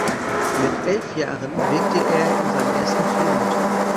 Mit elf Jahren wirkte er in seinem ersten Film mit.